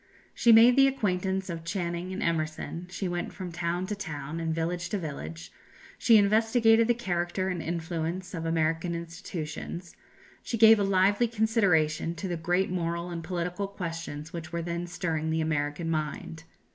She made the acquaintance of Channing and Emerson; she went from town to town, and village to village; she investigated the character and influence of American institutions; she gave a lively consideration to the great moral and political questions which were then stirring the American mind.